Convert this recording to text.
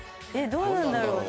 どんなんだろう？